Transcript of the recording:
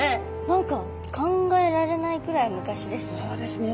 何か考えられないくらい昔ですね。